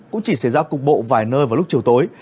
cũng chỉ xảy ra cục bộ vài nơi vào lúc chiều tối